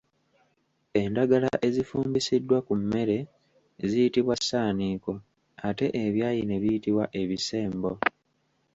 Endagala ezifumbisiddwa ku mmere ziyitibwa ssaaniiko, ate ebyayi ne biyitibwa Ebisembo.